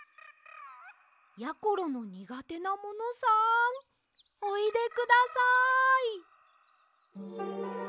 やころのにがてなものさんおいでください。